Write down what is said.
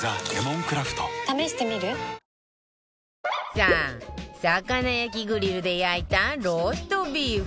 さあ魚焼きグリルで焼いたローストビーフ